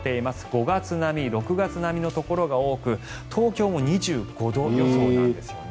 ５月並み、６月並みのところが多く東京も２５度予想なんですよね。